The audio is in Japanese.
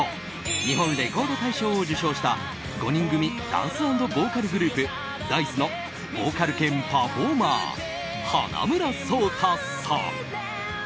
日本レコード大賞を受賞した５人組ダンス＆ボーカルグループＤａ‐ｉＣＥのボーカル兼パフォーマー花村想太さん。